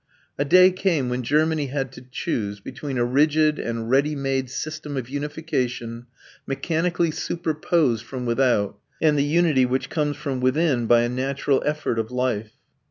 A day came when Germany had to choose between a rigid and ready made system of unification, mechanically superposed from without, and the unity which comes from within by a natural effort of life.